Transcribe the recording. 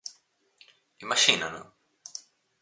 ¿Imaxínano?